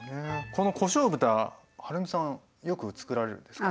このこしょう豚はるみさんよくつくられるんですか？